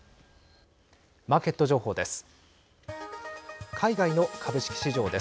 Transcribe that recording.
マーケット情報です。